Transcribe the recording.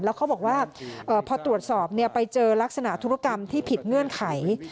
แล้วเขาบอกว่าพอตรวจสอบไปเจอลักษณะธุรกรรมที่ผิดเงื่อนไข